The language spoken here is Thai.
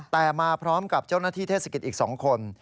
แต่มาพร้อมกับเจ้าหน้าที่เทศกิจอีก๒คน